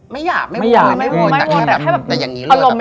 แต่จะไม่แหว่ง